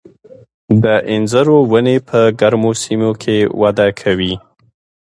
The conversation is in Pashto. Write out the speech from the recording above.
د انځرو ونې په ګرمو سیمو کې وده کوي.